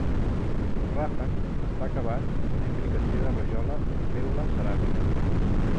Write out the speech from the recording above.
El ràfec està acabat amb una imbricació de rajola i teula ceràmica.